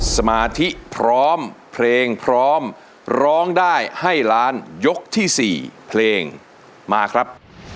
สมาธิพร้อมเพลงพร้อมร้องได้ให้ล้านยกที่๔เพลงมาครับ